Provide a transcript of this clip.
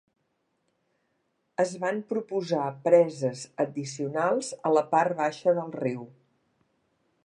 Es van proposar preses addicionals a la part baixa del riu.